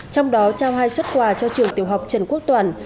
trong đó trao hai xuất quà cho trường tiểu học trần quốc toàn